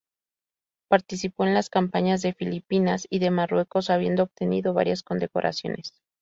Participó en las campañas de Filipinas y de Marruecos, habiendo obtenido varias condecoraciones.